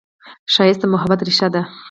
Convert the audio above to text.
ښایست د محبت ریښه ده